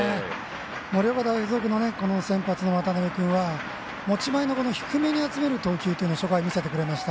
盛岡大付属の先発の渡邊君は持ち前の低めに集める投球を初回に見せてくれました。